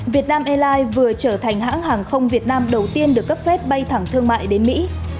việt nam airlines vừa trở thành hãng hàng không việt nam đầu tiên được cấp phép bay thẳng thương mại đến mỹ